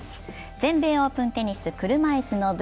全米オープンテニス車いすの部。